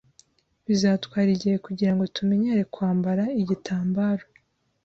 Bizatwara igihe kugirango tumenyere kwambara igitambaro.